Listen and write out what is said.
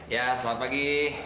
ya selamat pagi